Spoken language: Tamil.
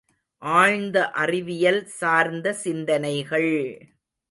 ஆழ்ந்த அறிவியல் சார்ந்த சிந்தனைகள்!